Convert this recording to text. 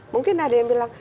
mungkin ada yang bilang